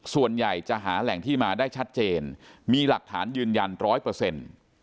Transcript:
ส่วนใหญ่จะหาแหล่งที่มาได้ชัดเจนมีหลักฐานยืนยัน๑๐๐